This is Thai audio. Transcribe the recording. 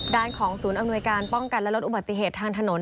ด้านของศูนย์อำนวยการป้องกันและลดอุบัติเหตุทางถนน